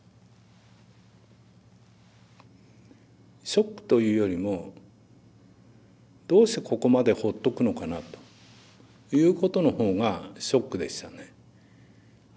ショックというよりもどうしてここまでほっとくのかなということのほうがショックでしたね。